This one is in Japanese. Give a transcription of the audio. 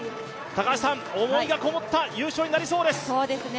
高橋さん思いがこもった優勝になりそうです。